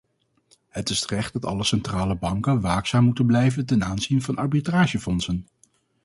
Het is terecht dat alle centrale banken waakzaam moeten blijven ten aanzien van arbitragefondsen.